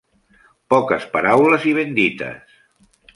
Poques paraules i ben dites.